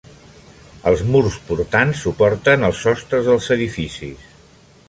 Els murs portants suporten els sostres dels edificis.